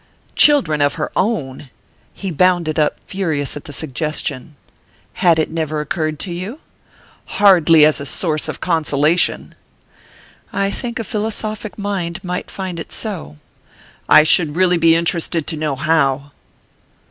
"Children of her own?" He bounded up, furious at the suggestion. "Had it never occurred to you?" "Hardly as a source of consolation!" "I think a philosophic mind might find it so." "I should really be interested to know how!"